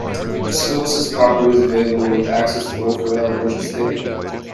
Silvis has properties available with access to both rail and interstate.